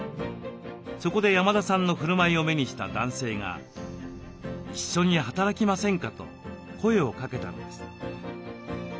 そこで山田さんのふるまいを目にした男性が「一緒に働きませんか」と声をかけたのです。